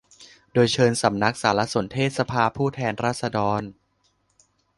โดยเชิญสำนักสารสนเทศสภาผู้แทนราษฎร